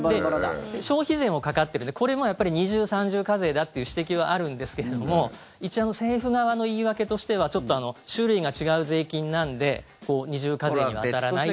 消費税もかかっているのでこれも二重、三重課税だっていう指摘はあるんですが一応、政府側の言い訳としては種類が違う税金なので二重課税には当たらないと。